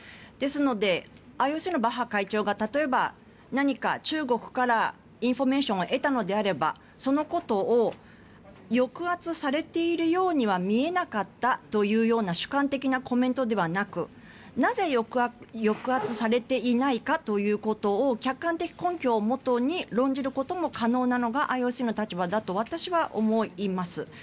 ですので、ＩＯＣのバッハ会長が例えば、何か中国からインフォメーションを得たのであれば、そのことを抑圧されているようには見えなかったというような主観的なコメントではなくなぜ抑圧されていないかということを客観的根拠をもとに論じることも可能なのがＩＯＣの立場だと私は思います。